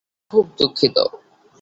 আমি খুব দুঃখিত!